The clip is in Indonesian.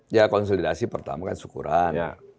ya konsolidasi pertama kan syukuran